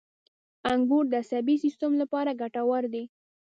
• انګور د عصبي سیستم لپاره ګټور دي.